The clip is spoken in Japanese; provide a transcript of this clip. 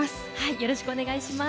よろしくお願いします。